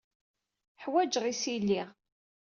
Ḥwajeɣ isili.